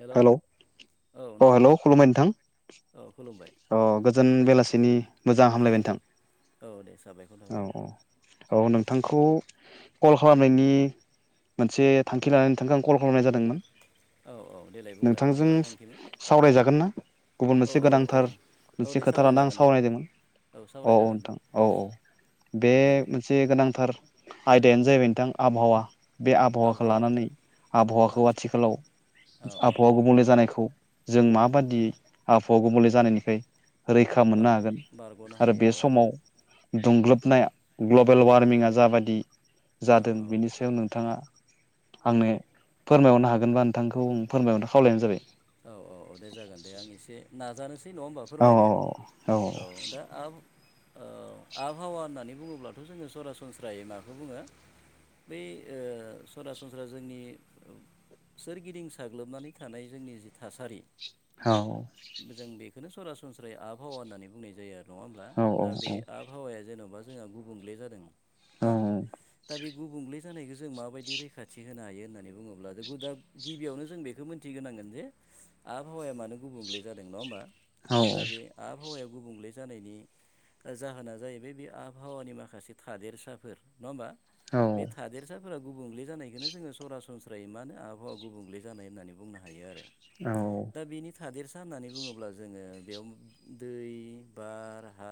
Hello औ अ नोंथां हेलौ खुलुमबाय नोंथां औ खुलुमबाय अ गोजोन बेलासिनि मोजां हामलायबाय औ दे साबायखर थाबाय नोंथां औ औ औ नोंथांखौ कल खालामनायनि मोनसे थांखि लानानै नोंथांखो आं कल खालामनाय जादोंमोन। औ औ देलाय बुंलाय नोंथांजों मा थांखिमोन सावरायजागोन ना गुबुन औ मोनसे औ औ गोनांथार औ मोनसे दे खोथा लाना आं सावरायजागोन दे सावरायदोंमोन औ औ सावरायजागोन दे नोंथां औ औ बे मोनसे देलाय मोनसे गोनांथार आयदायानो जाहैबाय नोंथां आबहावा। बे आबहावाखौ आबहावा लानानै आबहावाखौ आदसा आथिखालाव औ औ आबहावा गुबुंले जानायखौ जों माबादि आबहावा गुबले जानायनिफाय रैखा बा मोननो हागोन बारग'नो आरो हायो बे औ समाव दुंग्लोबनाया ग्लबेल वारमिंआ जाबादि औ जादों औ बेनि सायाव नोंथाङा आंनो फोरमायहरनो हागोनबा नोंथांखौ फोरमायहरनो खावलायनाय जाबाय। औ औ औ दे जागोन दे आं एसे नाजानोसै नङा होमबा औ फोरमायनो औ दा आ औ आबहावा होननानै बुङोब्लाथ' जोंङो सरासनस्रायै माखौ बुङो? बै ओ सरासनस्रा जोंनि सोरगिदिं साग्लोबनानै थानाय जोंनि जि थासारि औ जों बेखौनो सरासनस्रायै आबहावा होननानै बुंनाय जायो आरो नङा होमब्ला औ दा बे आबहावाया जेन'बा जोंहा गुबुंले जादों औ हा दा बे गुबुंले जानायखौ जों माबायदि रैखाथि होनो हायो होननानै बुङोब्ला दा गिबियावनो जों बेखौ मिथिग्रोनांगोन जे आबहावाया मानो गुबुंले जादों नङा होमबा औ दा बे आबहावाया गुबुंले जानायनि ओ जाहोना जाहैबाय बे आबहावानि माखासे थादेरसाफोर नङा होमबा औ बे थादेरसाफोर फोरा गुबुंले जानायखौनो जोंङो सरासनस्रायै मानो आबहावा गुबुंले जानाय होननानै बुंनो हायो आरो औ दा बिनि थादेरसा होननानै बुङोब्ला जोंङो बेयाव दै बार हा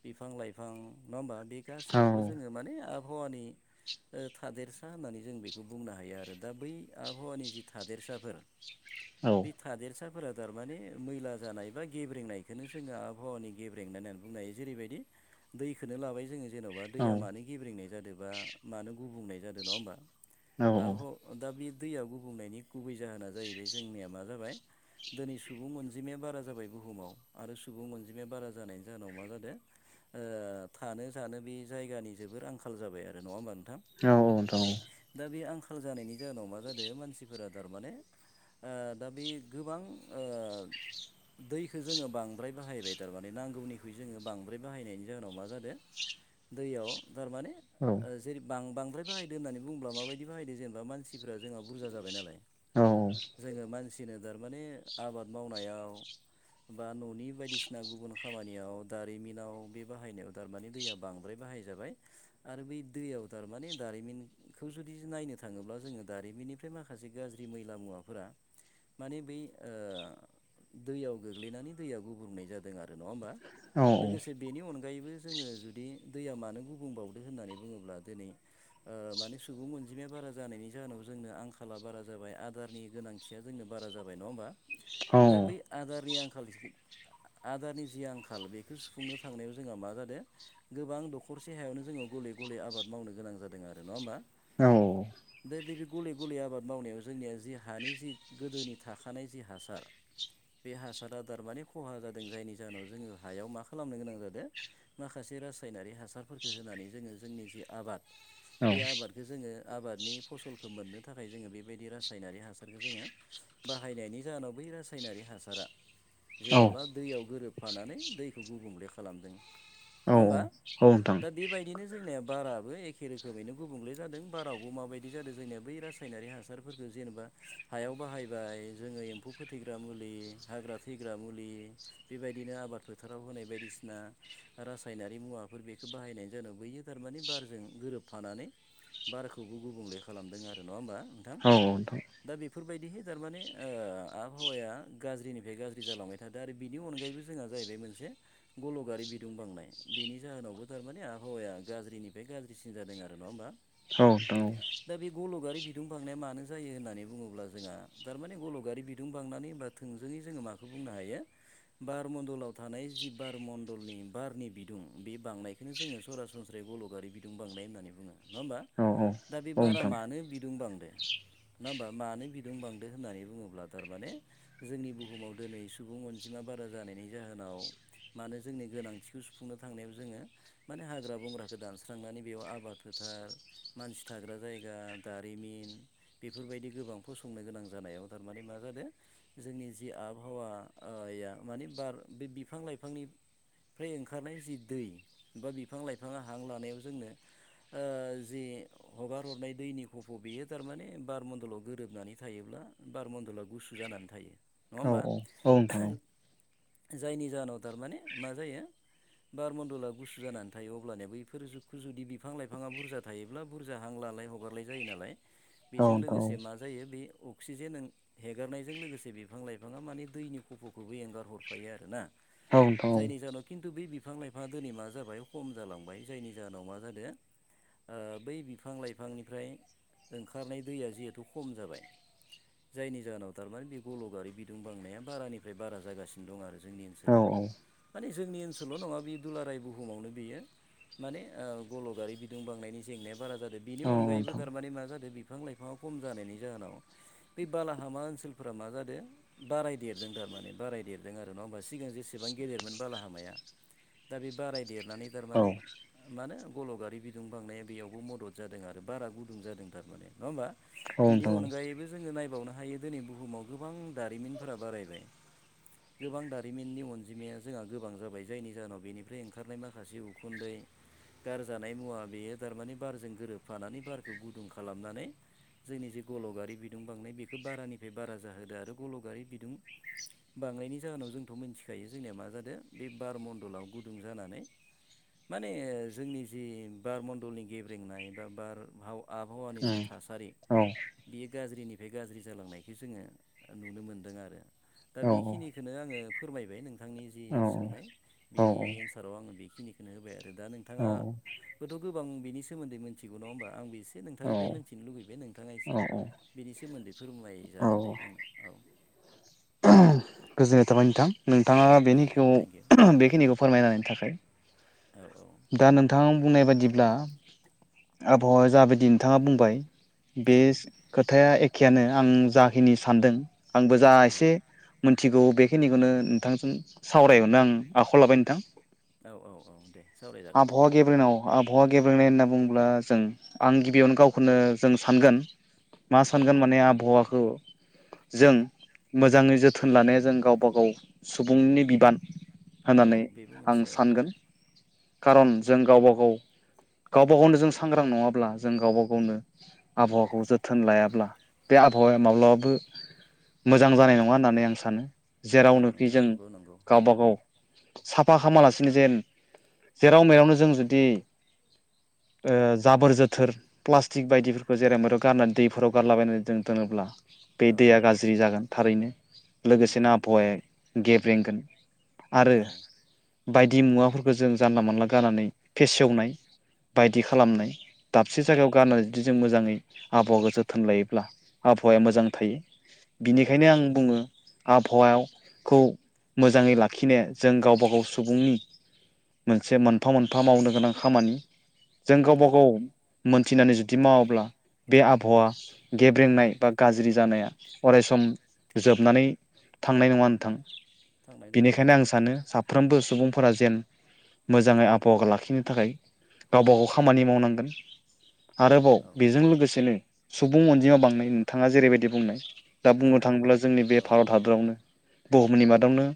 बिफां लाइफां नङा होमबा बे गासैखौबो जोंङो माने आबहावानि ओ थादेरसा होननानै जों बेखौ बुंनो हायो आरो दा बै आबहावानि जि थादेरसाफोर बे थादेरसाफोरा थारमाने मैला जानाय बा गेब्रेंनायखौनो जोंङो आबहावानि गेब्रेंनाय होननानै बुंनाय जेरैबायदि दैखौनो लाबाय जोंङो जेन'बा दैया मानो गेब्रेंनाय जादों बा मानो गुबुंनाय जादों नङा होमबा औ आबह दा बे दैयाव गुबुंनायनि गुबै जाहोना जाहैबाय जोंनिया मा जाबाय दिनै सुबुं अनजिमाया बारा जाबाय बुहुमाव आरो सुबुं अनजिमाया बारा जानायनि जाहोनाव मा जादों ओ थानो जानो बे जायगानि जोबोर आंखाल जाबाय आरो नङा होमबा नोंथां। औ नोंथां औ दा बे आंखाल जानायनि जाहोनाव मा जादों मानसिफोरा थारमाने ओ दा बे गोबां ओ दैखौ जोंङो बांद्राय बाहायबाय थारमाने नांगौनिख्रुइ जोंङो बांद्राय बाहायनायनि जाहोनाव मा जादों दैयाव थारमाने औ ओ जेरै बां बांद्राय बाहायदो होननानै बुङोब्ला माबायदि बाहायदो जेनेबा मानसिफ्रा जोंहा बुरजा जाबाय नालाय औ औ जोंङो मानसिनो थारमाने आबाद मावनायाव बा न'नि बायदिसिना गुबुन खामानियाव दारिमिनाव बे बाहायनायाव थारमानि दैया बां बांद्राय बाहाय जाबाय आरो बै दैयाव थारमाने दारिमिन खौ जुदि नायनो थाङोब्ला जोंङो दारिमिननिफ्राय माखासे गाज्रि मैला मुवा फोरा माने बै दैयाव गोग्लैनानै दैयाव गुब्रुंनाय जादों आरो नङा होमबा लोगोसे औ बेनि अनगायैबो जोंङो जुदि दैया मानो गुबुंबावदो होननानै बुङोब्ला दिनै ओ माने सुबुं अनजिमाया बारा जानायनि जाहोनाव जोंनो आंखाला बारा जाबाय आदारनि गोनांथिया जोंनो बारा जाबाय नङा होमबा औ नोंथां दा बै आदारनि आंखाल आदारनि जि आंखाल बेखौ सुफुंनो थांनायाव जोंहा मा जादों गोबां दखरसे हायावनो जोङो गले गले आबाद मावनो गोनां जादों आरो नङा होमबा औ दा दै बे गले गले आबाद मावनायाव जोंनिया जि हानि जि गोदोनि थाखानाय जि हासार बे हासार आदार माने खहा जादों जायनि जाहोनाव जोङो हायाव मा खालामनो गोनां जादों माखासे रासायनारि हासारफोरखौ होनानै जोङो जोंनि जि आबाद बे आबादखौ जोङो आबादनि फसलखौ मोननो थाखाय जोङो बेबायदि रासायनारि हासार। ओरैनो जोङो बाहायनायनि जाहोनाव बै रासायनारि हासारा औ औ जेन'ब्ला दैयाव गोरोब। फानानै दैखौ गुबुंले खालामदों नडां हामलबा दा बेबादि। बिदिनो जोंनिया बाराबो एखे रोखोमैनो गुबुंले जादों बारावबो माबायदि जादों जोंनिया बै राज। यनारि हासारफोरखौ जेनेबा। हायाव बाहायबाय जोङो एम्फौ फोथैग्रा मुलि हाग्रा थैग्रा मुलि। बेबायदिनो आबाद फोथाराव होनाय बायदिसिना। रासायनारि मुवाफोर बेखौ बाहायनायनि जोहोनाव गबैयो थारमाने बारजों गोरोबफानानै। बाराखौबो गुबुंले खालामदों आरो नङा होमबा नोंथां। अ‌ नोंथां। दा बेफोरबायदिहै थारमाने ओ आबहावाया गाज्रिनिफ्राय गाज्रि जालांबाय थादों। दा आरो बिनि अनगायैबो जोंहा जाहैबाय मोनसे। गल'गारि बिदुं बांनाय बिनि जाहोनावबो थारमाने आबहावाया गाज्रिनिफ्राय गाज्रिसिन जादों आरो नङा होमबा। औ औ। दा बे गल'गारि बिदुं बांनाया मानो जायो होननानै। बुङोब्ला जोंहा थारमाने गल'गारि बिदुं बांनानै होमबा थोंजोङै जोङो माखौ बुंनो हायो। बारमण्डलाव थानाय जि बारमण्डलनि बारनि बिदुं बे बांनायखौ। बेखौनो जो सरासनस्राय गल'गारि बिदुं बांनाय होन्नानै बुङो नङा होमबा। औ औ। दा बे बारा मानो बिदुं बांदों नङा होमबा। मानो बिदुं बांदो होननानै बुङोब्ला थारमाने। जोंनि बुहुमाव दिनै सुबुं अनजिमा बारा जानायनि जाहोनाव। मानो जोंनि गोनांथिखौ सुफुंनो थांनायाव जोङो। माने हाग्रा बंग्राखौ दानस्रांनानै बेयाव आबाद फोथार। मानसि थाग्रा जायगा दारिमिन बेफोरबायदि। गोबां संनो गोनां जानायाव थारमाने मा जादों। जोंनि जि आबहावा ओ माने बार बे बिफां लाइफांनि। फ्राय ओंखारनाय जि दै बा बिफां लाइफाङा हां लानायाव जोंनो। हगार हरनाय दैनि खफ' बेयो थारमाने बारमन्दलाव गोरोबनानै थायोब्ला बार मन्दला गुसु जानानै थायो नङा होमबा। औ नोंथां जायनि जाहोनाव थारमाने मा जायो। बार मन्डला गुसु जानानै थायो अब्लानो बैफोर जुगखौ जुदि बिफां लाइफाङा बुरजा। थायोब्ला बुरजा हां लालाय हगारलाय जायो नालाय औ औ नोंथां औ नोंथां औ बेजों नोंथां लोगोसे। बे औ मा जायो बे अक्सिजेन ओं। हेगारनायजों लोगोसे बिफां लाइफाङा माने दैनि खफ'खौबो एंगार हरफायो आरोना। औ नोंथां औ जायनि जाहोनाव खिन्थु बे बिफां लाइफाङा दिनै मा जाबाय हम जालांबाय जायनि जाहोनाव मा जादों। ओ बै बिफां लाइफांनिफ्राय ओंखारनाय दैया जिहेथु खम जाबाय। जायनि जाहोनाव थारमाने बे गल'गारि बिदुं बांनाया बारानिफ्राय बारा जागासिनो दं आरो जोंनि औ ओनसोलाव। माने जोंनि ओनसोल' नङा बे दुलाराय बुहुमावनो बियो। मानेह गल' गारि बिदुं बांनायनि जेंनाया बारा जादों। बिनि औ अनगायैबो नोंथां थारमाने मा जादों बिफां लाइफाङा खम जानायनि जाहोनाव। बे बालाहामा ओनसोलफोरा मा जादों। बाराय देरदों थारमाने बारायदेरदों आरो नङा होमबा सिगां जेसेबां गेदेरमोन बालाहामाया। दा बे बाराय देरनानै औ थारमाने। मानो गल'गारि बिदुं बांनाया बेयावबो मदद जादों आरो बारा गुदुं जादों थारमाने नङा होमबा। औ बिनि नोंथां अनगायैबो जोङो नायबावनो हायो दिनै बुहुमाव गोबां दारिमिनफोरा बारायबाय। गोबां दारिमिननि अनजिमाया जोंहा गोबां जाबाय जायनि जाहोनाव बेनिफ्राय ओंखारनाय माखासे उखुन्दै। गारजानाय मुवा बेयो थारमाने बारजों गोरोबफानानै बारखौ गुदुं खालामनानै। जोंनि जे गल गारि बिदुं बांनाय बेखौ बारानिफ्राय बारा जाहोदो आरो गलगारि बिदुं बांनायनि जाहोनाव जोंथ' मिथिखायो जोंनिया मा जादों बे बार मणडलाव गुदुं जानानै माने जोंनि जि बार मण्डलनि गेब्रेंनाय बा बार हाव आबहावानि औ जि थासारि औ बेयो गाज्रिनिफ्राय गाज्रि जालांनायखौ जोङो नुनो मोनदों आरो दा औ बेखिनिखौनो आङो फोरमायबाय नोंथांनि जि औ सोंनाय बिनि एन्साराव आङो बेखिनिखौनो होबाय आरो दा नोंथाङा बेथ' गोबां बिनि सोमोन्दै मिथिगौ नङ होनबा आं एसे औ नोंथांनिफ्राय मिन्थिनो लुुबैबाय नों नोंथाङा एसे औ बिनि सोमोन्दै फोरमायाय जागोन दे औ आंनो औ गोजोननाय थाबाय नोंथां नोंथाङा औ बेखौ थेंक इउ बेखिनिखौ फोरमायनायनि थाखाय औ दा नों नोंथां बुंनाय बदिब्ला आबहावाया जाबायदि नोंथाङा बुंबाय बे औ खोथाया एखेयानो आं जाखिनि सानदों आंबो जा औ एसे मोनथिगौ बेखिनिखौनो नोंथांजों सावरायहरनो आं आखायाव लाबाय नोंथां औ औ औ दे सावरायजागोन दे आबहावा गेब्रेेनाव आबहावा गेब्रेनाय होनना बुङोब्ला जों आं गिबियावनो गावखौनो जों सानगोन मा औ सानगोन माने आबहावाखौ जों मोजाङै जोथोन जोथोन लानाया जों गावबा गाव सुबुंनि बिबान औ होननानै बेबो आं मोनसे औ सानगोन खारन जों गावबा गाव गावबा गावनो जों सांग्रां नङाब्ला जों गावबा गावनो आबहावाखौ जोथोन लायाब्ला बे आबहावाया माब्लाबाबो मोजां जानाय नङा होननानै आं सानो औ जेरावनोखि नोंथां जों नंगौ नंगौ नंगौ गावबा औ गाव साफा खालामालासिनो जेन जेराव मेरावनो जों जुदि ओ जाबोर जोथोर प्लास्टिक बायदिफोरखौ जेरै म गारनानै दैफोराव गारलाबायनानै जों दोनोब्ला बे औ दैया गाज्रि जागोन थारैनो उम लोगोसेनो उम उम आबहावाया गेब्रेंगोन आरो औ बायदि मुवाफोरखौ जों जानला मोनानला गनानै फेसेवनाय बायदि खालामनाय दाबसे औ जायगायाव गारनानै जुदि जों मोजाङै आबहावाखौ जोथोन लायोब्ला आबहावाया मोजां थायो मोजां बिनिखायनो थायो आं औ बुङो आबहावाखौ मोजाङै लाखिनो जों गावबा गाव सुबुंनि मोनसे मोनफा मोनफा मावनो गोनां खामानि जों गावबा औ गाव मोनथिनानै जुदि मावाब्ला बे आबहावा गेब्रेंनाय बा गाज्रि जानाया अरायस जोबनानै थांनाय नङा नोंथां थांनाय नङा औ बेनिखायनो आं सानो साफ्रोमबो सुबुंफोरा जेन मोजाङै आबहावा लाखिनो थाखाय गावबा गाव खामानि मावनांगोन आरोबाव औ बेजों लोगोसेनो सुबुं अनजिमायाव बांनाय नोंथाङा जेरैबायदि बुंनाय दा औ बुंनो औ थाङोब्ला जोंनि औ बे भारत हादरावनो बुहुमनि मादावनो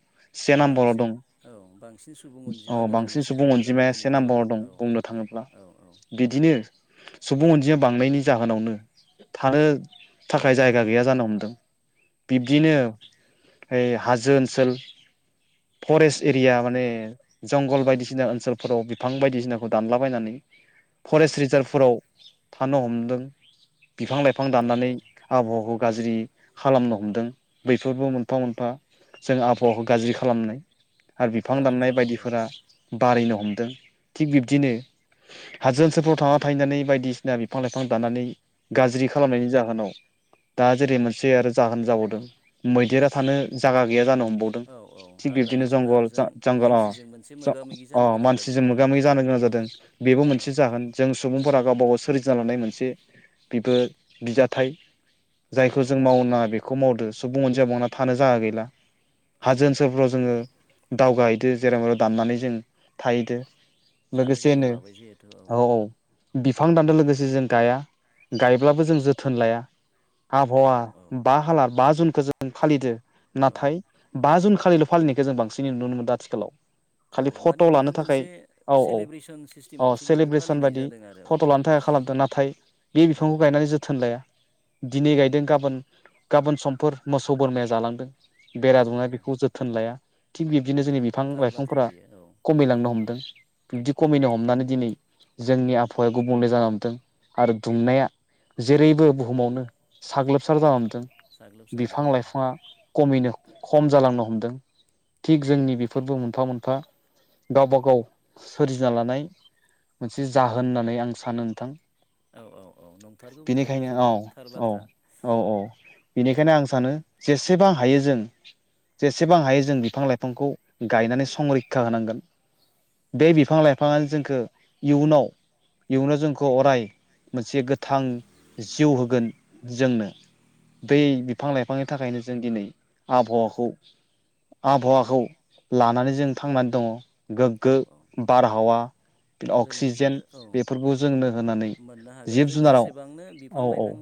से नाम्बाराव बांसिन दं औ बांसिन सुबुं अनजिमा औ गोनां बांसिन मोनसे सुबुं हादोर जाबाय अनजिमाया से दिनै नाम्बाराव भारतआ दं औ बुंनो थाङोब्ला औ औ बिदिनो सुबुं अनजिमाया बांनायनि जाहोनावनो थानो थाखाय जायगा गैया जानो हमदों औ बिब्दिनो ओइ हाजो ओनसोल फरेस्ट एरिया माने जंगल औ बायदिसिना ओनसोल फोराव बिफां बायदिसिनाखौ दानलाबायनानै औ फरेस्ट रिजार्भ फोराव थानो हमदों बिफां लाइफां औ औ दाननानै आबहावाखौ गाज्रि खालामनो हमदों बैफोरबो मोनफा मोनफा जों आबहावाखौ गाज्रि खालामनाय आरो बिफां गा दानाय औ औ बायदिफोरा बारायनो हमदों थिग बिब्दिनो हाजो औ ओनसोलफ्राव थाङा थाहैनानै बायदिसिना बिफां लाइफां दानानै गाज्रि खालामनायनि जाहोनाव दा जेरै मोनसे आरो जागोन जाबावदों मैदेरा थानो जायगा गैया जानोहम बावदों औ औ थिग हाग्रानि बिबदिनो जंगल जुनारजों जंगल मानसिजों मोनसे ज मोगा मोगि जानो गोनां जादों मानसिजों जों मोगा मोगि औ जानो गोनां जादों। बेबो औ मोनसे जाहोन। जों सुबुंफोरा गावबाागाव सोरजि जालानाय मोनसे बेबो बिजाथाइ। औ जायखौ जों मावनो नाङा बेखौ मावदो सुबुं अनजिमा बांना थानो जायगा गैला। औ हाजो ओनसोलफ्राव जोङो दावगाहैदो जेराव मेराव दानानै जों थाहैदो। थानो जायगा लोगोसेनो लाबाय जिहेथु औ औ बिफां दानदों लोगोसे जों गाया गायब्लाबो जों जोथोन लाया। आबहावा औ बा हालार बा जुनखौ जों फालिदो औ नाथाय बा जुन खालिल' फालिनायखौ जों बांसिन नुनो मोनदों आथिखालाव औ खालि फट' माने बेखौ लानो थाखाय मोनसे औ औ सेलेब्रेसन औ सिस्टेमावसो बेखौ सेलेब्रेसन फालिनाय बायदि जादों आरो फट' लानो औ थाखाय खालामदों नाथाय बे बिफांखौ औ गायनानै जोथोन लाया। दिनै गायदों गाबोन गाबोन समफोर मोसौ बोरमाया जालांदों। बेरा औ दुमा औ बेखौ जोथोन लाया थिग बिब्दिनो उम जोंनि बिफां थार बाथ्रा लाइफांफोरा बेयो औ खमायलांनो हमदों। बिबदि खमिनो हमनानै दिनै जोंनि आबहावाया गुबुंले जाल हमदों आरो दुंनाया जेरैबो बुहुमावनो साग्लोबसार जालांदों। साग्लोबसारदों बिफां औ लाइफाङा खमिनो खम जालांनो हमदों। थिग जोंनि बेफोरबो मोनफा मोनफा गावबा गाव सोरजिना लानाय। मोनसे जाहोन होननानै आं सानो नोंथां। औ औ औ नंथारगौ बेथ' बेनिखायनो औ जोबोर थार औ बाथ्रा औ औ औ बेनिखायनो आं सानो जेसेबां हायो जों जेसेबां हायो जों बिफां लाइफांखौ। गायनानै संरैखा होनांगोन बे बिफां लाइफाङानो जोंखौ इयुनाव इयावनो जोंखौ अराय मोनसे गोथां जिउ होगोन जोंनो। दै बिफां लाइफांनि थाखायनो जों दिनै आबहावाखौ आबहावाखौ लानानै जों थांनानै दङ। औ गोग्गो औ बारहावा जोङो अक्सिजेन औ बेफोरखौ जोंनो होनानै मोननो हागोन जों जिब जुनाराव जेसेबांनो बिफां औ औ लाइफां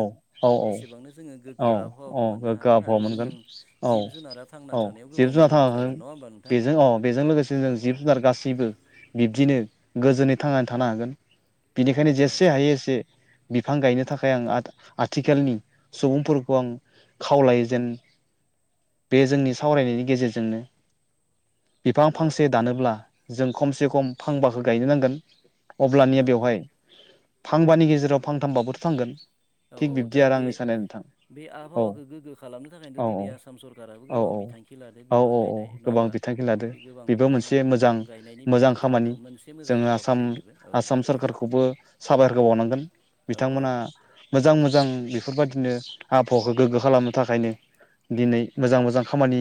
औ औ औ एसेबांनो जोङो औ गोग्गो आबहावाखौ औ मोननो गोग्गो हागोन आबहावा आरो जों मोनगोन औ जिब जुनारा थांना औ थानायाव जिब गोबां जुुनार मदद थांना थानो। जागोन नङा होमबा नोंथां बेजों औ बेजों लोगोसे औ जों जिब जुनार गासैबो बिब्दिनो गोजोनै थांनानै थानो हागोन बिनिखायनो औ जेसे हायो एसे बिफां गायनो थाखाय आं आथिखालनि सुबुंफोरखौ आं खावलायो जेन बे जोंनि सावरायनायनि गेजेरजोंनो। बिफां औ फांसे दानोब्ला जों खमसे खम फांबाखो गायनो नांगोन औ अब्लानिया बेवहाय फांबानि गेजेराव फांथामबाबोथ' थांगोन। औ थिग औ बिब्दि दा आरो बे आंनि साननाया नोंथां बे औ आबहावाखौ गोगो खालामनो थाखायथ' दिनै आसाम सरकाराबो औ गोबां औ बिथांखि लादों औ बिफां औ औ गायनाय नङा गोबां होमबा। बिथांखि लादो गोबां बेबो बिफां मोनसे मोजां गायनायनि मोजां बिथांखि खामानि लादों मोनसे मोजां हाबाफारि बेबो औ खौबो साबायखर होबावनांगोन औ औ बिथांमोना मोजां मोजां बेफोरबायादिनो। आबहावाखौ गोग्गो खालामनो थाखायनो। दिनै मोजां मोजां खामानि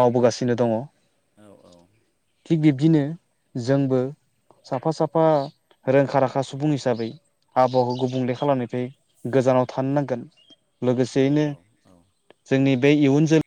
मावबोगासिनो दङ। औ औ थिग बिब्दिनो जोंबो साफा साफा रोंखा राखा सुबुं हिसाबै आबहावाखौ गुबुंले खालामनायखौ। बे गोजानाव थानो नांगोन औ लोगोसेयैनो औ औ जोंनि बे इयुन जोलै